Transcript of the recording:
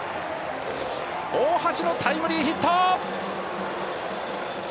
大橋のタイムリーヒット！